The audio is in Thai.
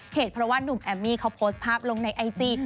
เพราะว่านุ่มแอมมี่เขาโพสต์ภาพลงในไอจี